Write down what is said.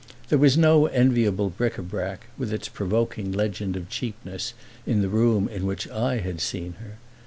There was no enviable bric a brac, with its provoking legend of cheapness, in the room in which I had seen her.